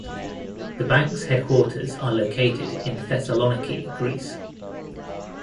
The bank's headquarters are located in Thessaloniki, Greece.